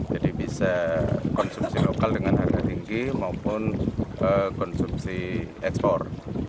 jadi bisa konsumsi lokal dengan harga tinggi maupun konsumsi ekspor